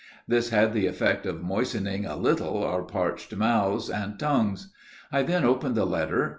This had the effect of moistening a little our parched mouths and tongues. I then opened the letter.